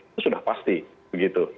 itu sudah pasti begitu